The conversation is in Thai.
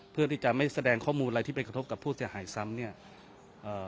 เพื่อที่จะไม่แสดงข้อมูลอะไรที่ไปกระทบกับผู้เสียหายซ้ำเนี่ยเอ่อ